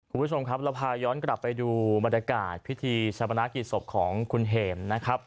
คุณผู้ชมครับเราพาย้อนกลับไปดูบรรยากาศพิธีชาปนากิจศพของคุณเห็มนะครับ